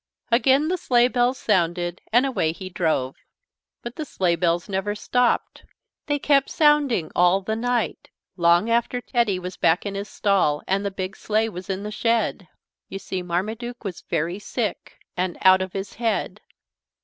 Again the sleigh bells sounded and away he drove. But the sleigh bells never stopped. They kept sounding all the night, long after Teddy was back in his stall and the big sleigh was in the shed. You see Marmaduke was very sick and "out of his head."